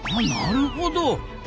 あなるほど！